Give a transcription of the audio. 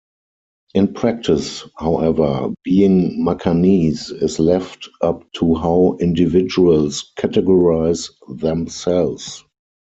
In practice, however, being Macanese is left up to how individuals categorize themselves.